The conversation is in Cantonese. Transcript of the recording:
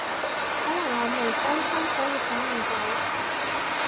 可能我未更新，所以睇唔到